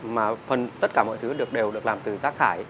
mà tất cả mọi thứ được đều được làm từ rác thải